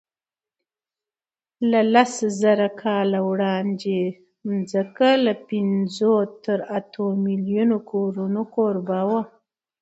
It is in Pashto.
له لسزره کاله وړاندې ځمکه له پینځو تر اتو میلیونو کورونو کوربه وه.